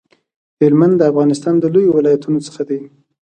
هلمند د افغانستان د لویو ولایتونو څخه دی